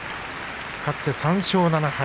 勝って３勝７敗。